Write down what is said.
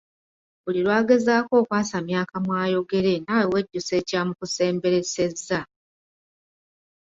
Buli lwagezaako okwasamya akamwa ayogere naawe wejjusa ekyamukusemberesezza.